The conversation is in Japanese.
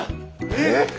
えっ！？